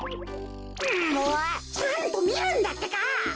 んもうちゃんとみるんだってか。